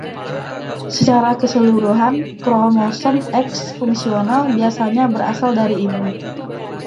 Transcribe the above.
Secara keseluruhan, kromosom X fungsional biasanya berasal dari ibu.